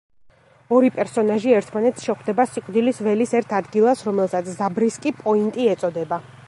ორი პერსონაჟი ერთმანეთს შეხვდება სიკვდილის ველის ერთ ადგილას, რომელსაც ზაბრისკი პოინტი ეწოდება.